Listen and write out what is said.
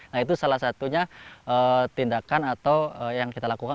nah itu salah satunya tindakan atau yang kita lakukan